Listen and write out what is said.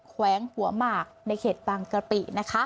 แขวงหัวมากในเขตปางกะปิ